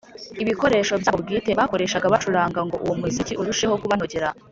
ibikoresho byabo bwite bakoreshaga bacuranga ngo uwo muziki urusheho kubanogera.